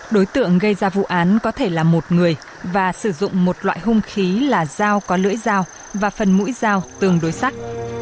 đối tượng gây ra vụ án có thể là một người và sử dụng một loại hung khí là dao có lưỡi dao và phần mũi dao tương đối sắt